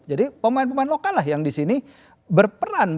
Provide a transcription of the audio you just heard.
jadi pemain pemain lokal lah yang di sini berperan